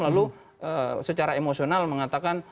lalu secara emosional mengatakan